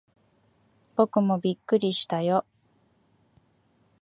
僕もびっくりしたよ。